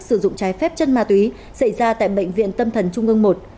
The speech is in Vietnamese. sử dụng trái phép chân ma túy xảy ra tại bệnh viện tâm thần trung ương một